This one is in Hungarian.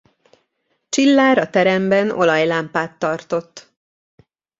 Csillár a teremben olaj lámpát tartott.